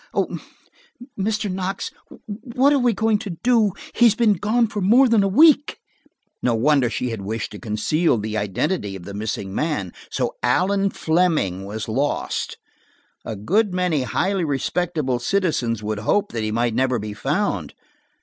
Oh, Mr. Knox, what are we going to do? He has been gone for more than a week!" No wonder she had wished to conceal the identity of the missing man. So Allan Fleming was lost! A good many highly respectable citizens would hope that he might never be found.